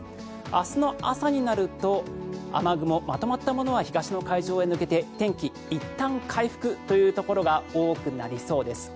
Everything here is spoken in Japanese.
明日の朝になると雨雲、まとまったものは東の海上に抜けて天気、いったん回復というところが多くなりそうです。